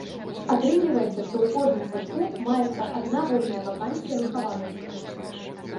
Атрымліваецца, што ў кожным садку маецца адна вольная вакансія выхавальніка.